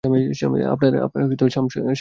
আপনার সাংকেতিক নাম শেরশাহ।